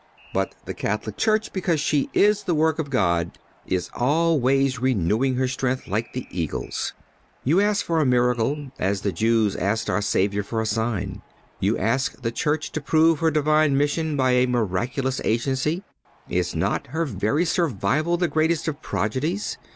But the Catholic Church, because she is the work of God, is always "renewing her strength, like the eagle's."(107) You ask for a miracle, as the Jews asked our Saviour for a sign. You ask the Church to prove her divine mission by a miraculous agency. Is not her very survival the greatest of prodigies?